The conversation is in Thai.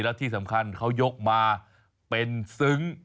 แล้วที่สำคัญเขายกมาเป็นซึ้ง